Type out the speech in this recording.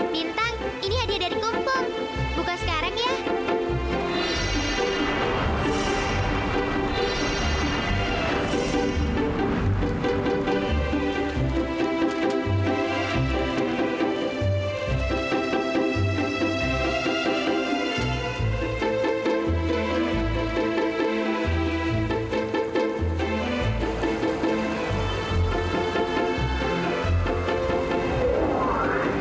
bintang ini hadiah dari kumkum buka sekarang ya